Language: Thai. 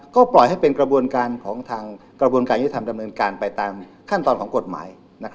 ก็ปล่อยให้เป็นกระบวนการยุถรรมดำเนินการไปตามขั้นตอนของกฎหมาย